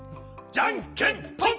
じゃんけんぽん！